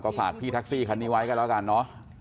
ฝากพี่แท็กซี่คันนี้ไว้กันแล้วกันเนอะ